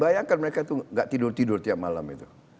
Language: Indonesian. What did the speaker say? bayangkan mereka itu tidak tidur tidur tiap malam itu